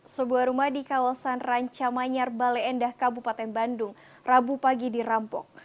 sebuah rumah di kawasan ranca manyar bale endah kabupaten bandung rabu pagi dirampok